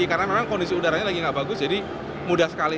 karena memang kondisi udaranya lagi nggak bagus jadi mudah sekali